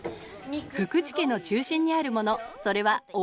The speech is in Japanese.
福池家の中心にあるものそれはお笑い